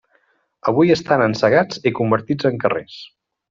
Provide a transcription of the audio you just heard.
Avui estan encegats i convertits en carrers.